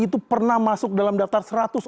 itu pernah masuk dalam daftar